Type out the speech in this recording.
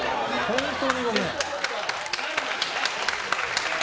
本当にごめん。